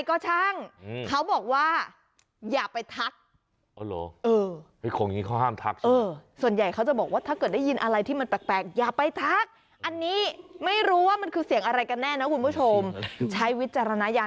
โอ้โหมันไม่ใช่ผู้ชาย